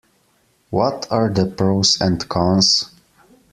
What are the pros and cons?